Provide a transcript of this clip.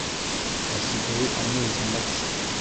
Hasigaye amazi make.